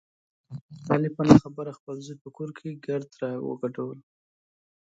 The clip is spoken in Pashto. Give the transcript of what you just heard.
علي په نه خبره خپل زوی په کور کې ګرد را وګډولو.